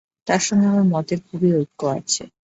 তাঁর সঙ্গে আমার মতের খুবই ঐক্য আছে।